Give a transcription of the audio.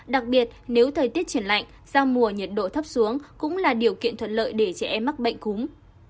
đặc biệt nếu thời tiết chuyển lạnh giao mùa nhiệt độ thấp xuống cũng là điều kiện thuận lợi để trẻ em mắc bệnh cúm